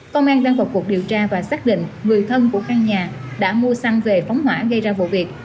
công an đang vào cuộc điều tra và xác định người thân của căn nhà đã mua xăng về phóng hỏa gây ra vụ việc